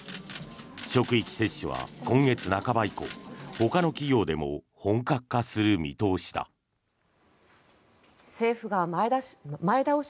職域接種は今月半ば以降ほかの企業でも本格化する見通しだ。